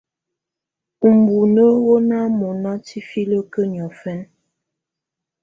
Ubunǝ́ wù nà mɔ̀na tifilǝ́kǝ́ niɔ̀fɛna.